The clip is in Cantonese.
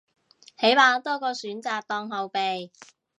起碼多個選擇當後備